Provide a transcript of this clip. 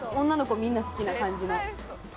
女の子みんな好きな感じの。